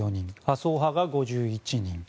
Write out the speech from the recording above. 麻生派が５１人。